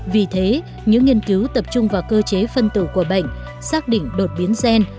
vì thế những nghiên cứu tập trung vào cơ chế phân tử của bệnh xác định đột biến gen